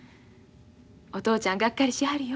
お父ちゃんがっかりしはるよ。